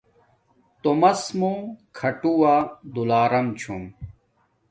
تومس موں کھاٹووہ دولارم چھوم